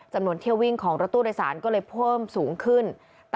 จำนวนเที่ยววิ่งของรถตู้โดยสารก็เลยเพิ่มสูงขึ้น